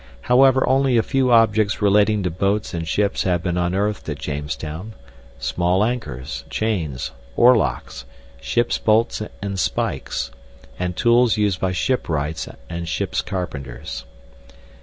However, only a few objects relating to boats and ships have been unearthed at Jamestown: small anchors, chains, oar locks, ship bolts and spikes, and tools used by shipwrights and ships' carpenters.